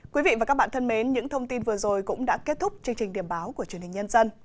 quý vị và các bạn thân mến những thông tin vừa rồi cũng đã kết thúc chương trình điểm báo của truyền hình nhân dân